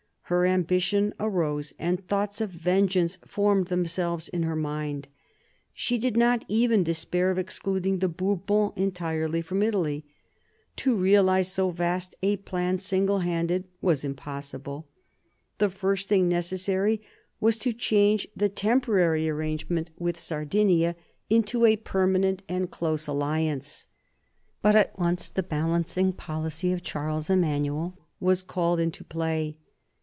Her ambition arose, and thoughts of vengeance formed themselves in her mind. She did not even despair of excluding the Bourbons entirely from Italy. To realise so vast a plan single handed was impossible. The first thing necessary was to change the temporary arrangement with Sardinia 28 MARIA THERESA ohap. ii into a permanent and close alliance. But at once the balancing policy of Charles Emanuel was called into play.